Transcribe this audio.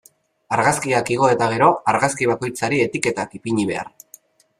Argazkiak igo eta gero, argazki bakoitzari etiketak ipini behar.